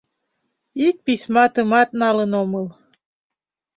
— Ик письматымат налын омыл.